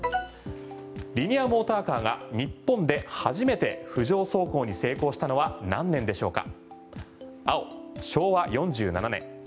リニアモーターカーが日本で初めて浮上走行に成功したのは何年でしょうか？